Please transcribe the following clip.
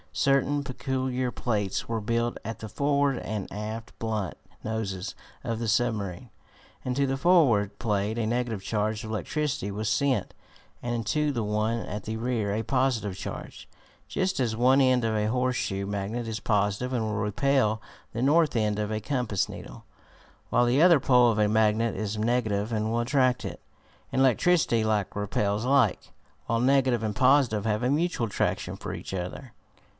Certain peculiar plates were built at the forward and aft blunt noses of the submarine. Into the forward plate a negative charge of electricity was sent, and into the one at the rear a positive charge, just as one end of a horseshoe magnet is positive and will repel the north end of a compass needle, while the other pole of a magnet is negative and will attract it. In electricity like repels like, while negative and positive have a mutual attraction for each other.